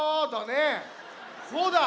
そうだ！